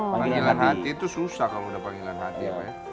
panggilan hati itu susah kalau udah panggilan hati